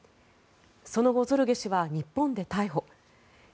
その後、ゾルゲ氏は日本で逮捕。